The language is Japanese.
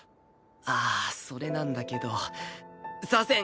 ああそれなんだけどさーせん！